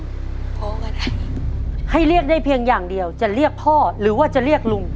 พ่อก็ได้ให้เรียกได้เพียงอย่างเดียวจะเรียกพ่อหรือว่าจะเรียกลุง